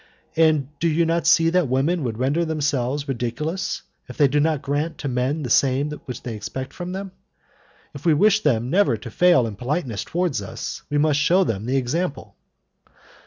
"And do you not see that women would render themselves ridiculous if they did not grant to men the same that they expect from them. If we wish them never to fail in politeness towards us, we must shew them the example."